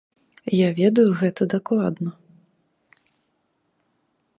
Я ведаю гэта дакладна.